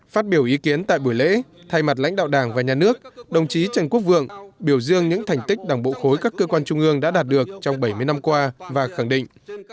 phát biểu ý kiến tại buổi lễ thay mặt lãnh đạo đảng và nhà nước đồng chí trần quốc vượng biểu dương những thành tích đảng bộ khối các cơ quan trung ương đã đạt được trong bảy mươi năm qua và khẳng định